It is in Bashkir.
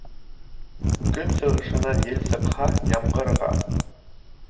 Көнсығышынан ел сыҡһа, ямғырға.